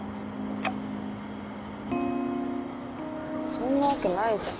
そんなわけないじゃん